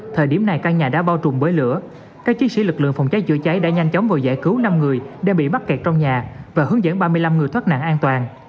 thời điểm này căn nhà đã bao trùm bới lửa các chiến sĩ lực lượng phòng cháy chữa cháy đã nhanh chóng vào giải cứu năm người đã bị mắc kẹt trong nhà và hướng dẫn ba mươi năm người thoát nạn an toàn